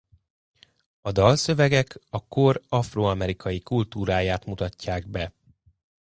A dalszövegek a kor afroamerikai kultúráját mutatják be.